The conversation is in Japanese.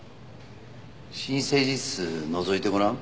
新生児室のぞいてごらん。